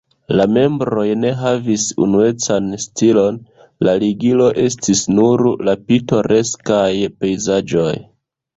La membroj ne havis unuecan stilon, la ligilo estis nur la pitoreskaj pejzaĝoj.